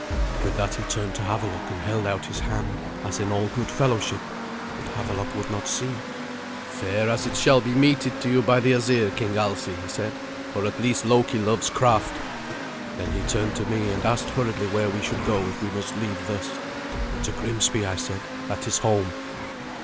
With that he turned to Havelok, and held out his hand, as in all good fellowship, but Havelok would not see it. "Fare as it shall be meted to you by the Asir, King Alsi," he said, "for at least Loki loves craft." Then he turned to me, and asked hurriedly where we should go if we must leave thus. "To Grimsby," I said. "That is home."